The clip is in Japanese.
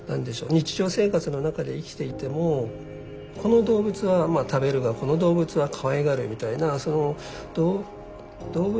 日常生活の中で生きていてもこの動物はまあ食べるがこの動物はかわいがるみたいなその動物